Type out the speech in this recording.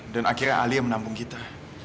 dan akhirnya alia menampung kita